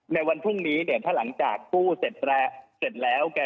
ในวันพรุ่งนี้ถ้าหลังจากคู่เสร็จแล้ว